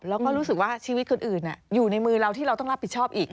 แล้วก็รู้สึกว่าชีวิตคนอื่นอยู่ในมือเราที่เราต้องรับผิดชอบอีก